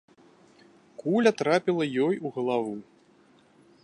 Куля трапіла ёй у галаву.